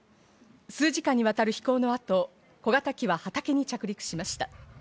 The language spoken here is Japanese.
数時間にわたる飛行のあと小型機は畑に着陸しました。